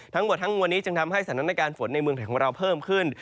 ทั้งหมดทั้งมวลนี้จึงทำให้สถานการณ์ฝนในเมืองไทยของเราเพิ่มขึ้น